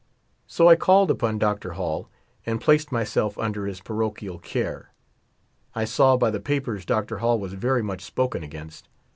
So I called upon Dr. Hall and placed myself under his parochial care. I saw by the papers Dr. Hall was very much spoken against.